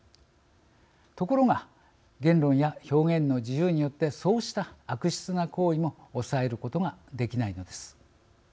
ところが言論や表現の自由によってそうした悪質な行為も抑えることができないのです。